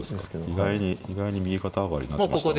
意外に意外に右肩上がりになってました？